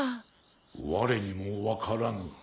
われにも分からぬ。